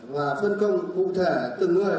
và phân công cụ thể từng người